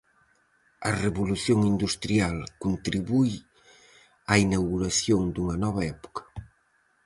A Revolución Industrial contribuíu á inauguración dunha nova época.